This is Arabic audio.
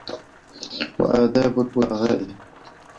وَآدَابِ الْبُلَغَاءِ